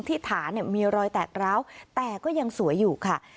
ที่ฐานมีรอยแตกร้าวแต่ก็ยังสวยอยู่ค่ะ